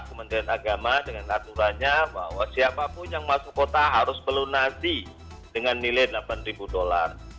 kementerian agama dengan aturannya bahwa siapapun yang masuk kota harus melunasi dengan nilai delapan ribu dolar